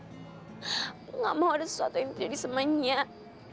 aku nggak mau ada sesuatu yang jadi semenyiap